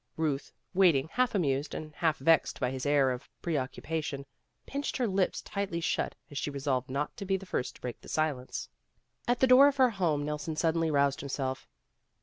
Ruth, waiting, half amused and half vexed by his air of preoccupation, pinched her lips tightly shut as she resolved not to be the first to break the silence. At the door of her home Nelson suddenly roused himself.